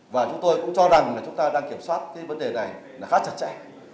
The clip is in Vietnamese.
và chúng tôi cũng cho rằng chúng ta đang kiểm soát vấn đề này khá chặt chẽ